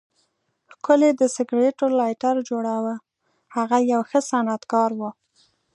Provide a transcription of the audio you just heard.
ښکلی د سګریټو لایټر جوړاوه، هغه یو ښه صنعتکار و.